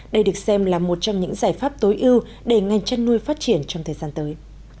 đây được xem là một trong những giải pháp tối ưu để ngành chăn nuôi phát triển trong thời gian tới